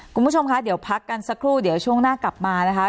คุณผู้ชมคะเดี๋ยวพักกันสักครู่เดี๋ยวช่วงหน้ากลับมานะคะ